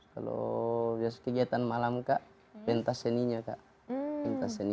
kalau biasanya kegiatan malam kak pentas seninya kak